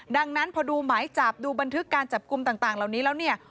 ดังนั้นพอดูหมายจับดูบันทึกการจับกลุ่มต่างเหล่านี้แล้วเนี่ย